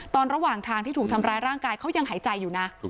ระหว่างทางที่ถูกทำร้ายร่างกายเขายังหายใจอยู่นะ